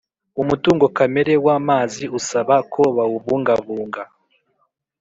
umutungo kamere w amazi usaba ko bawubungabunga